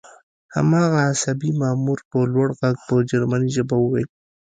هماغه عصبي مامور په لوړ غږ په جرمني ژبه وویل